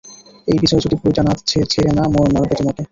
এই বিজয়, যদি বইটা ছিড়ে না, মারবো তোমাকে।